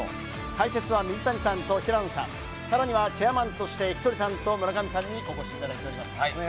解説は水谷さんと平野さん更にはチェアマンとしてひとりさんと村上さんにもお越しいただいております。